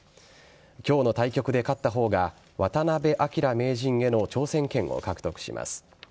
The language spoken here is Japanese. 今日の対局で勝った方が渡辺明名人への挑戦権を獲得します。